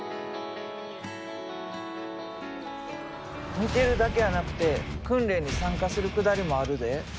見てるだけやなくて訓練に参加するくだりもあるで。